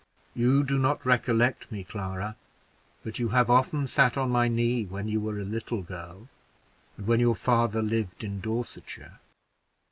You do not recollect me, Clara; but you have often sat on my knee when you were a little girl and when your father lived in Dorsetshire.